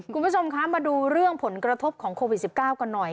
คุณผู้ชมคะมาดูเรื่องผลกระทบของโควิด๑๙กันหน่อย